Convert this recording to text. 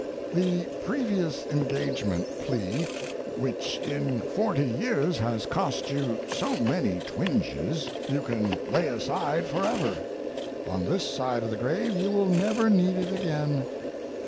The previous engagement plea, which in forty years has cost you so many twinges, you can lay aside forever; on this side of the grave you will never need it again.